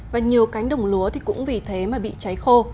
và nhiều cánh đồng lúa thì cũng vì thế mà bị cháy khô